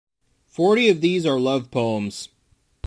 Forty of these are love poems.